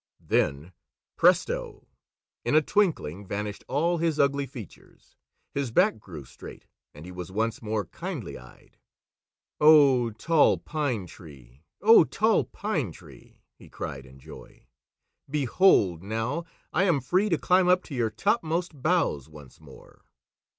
Then presto! In a twinkling vanished all his ugly features, his back grew straight, and he was once more kindly eyed. "Oh, Tall Pine Tree! Oh, Tall Pine Tree!" he cried in joy. "Behold now I am free to climb up to your topmost boughs once more!"